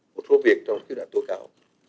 một số việc trong khi đã tổ chạo